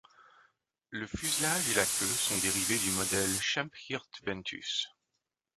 Le fuselage et la queue sont dérivés du modèle Schempp-Hirth Ventus.